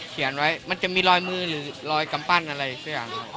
เขียนไว้มันจะมีรอยมือหรือรอยกำปั้นอะไรสักอย่างหนึ่ง